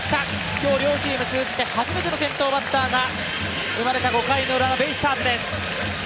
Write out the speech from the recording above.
今日、両チーム通じて初めての先頭バッターが出ましたベイスターズ。